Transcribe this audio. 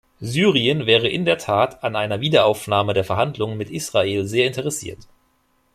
Syrien wäre in der Tat an einer Wiederaufnahme der Verhandlungen mit Israel sehr interessiert.